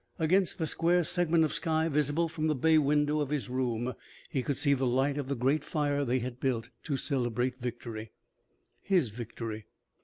Against the square segment of sky visible from the bay window of his room he could see the light of the great fire they had built to celebrate victory his victory.